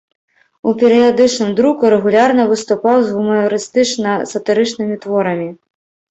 У перыядычным друку рэгулярна выступаў з гумарыстычна-сатырычнымі творамі.